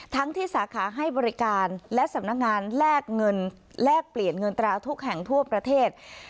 ทั้งที่สาขาให้บริการและสำนักงานแลกเงินแลกเปลี่ยนเงินตราทุกแห่งทั่วประเทศ